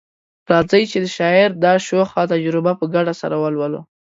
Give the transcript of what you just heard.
راځئ چي د شاعر دا شوخه تجربه په ګډه سره ولولو